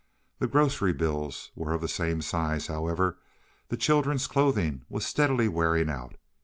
The grocery bills were of the same size, however. The children's clothing was steadily wearing out.